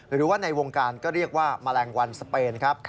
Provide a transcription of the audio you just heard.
หรือว่าในวงการก็เรียกว่าแมลงวันสเปนครับ